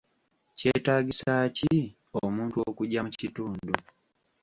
Kyetaagisa ki omuntu okugya mu kitundu?